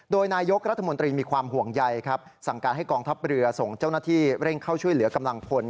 โดยนายกรัฐมนตรีมีความห่วงใยครับสั่งการให้กองทัพเรือส่งเจ้าหน้าที่เร่งเข้าช่วยเหลือกำลังพล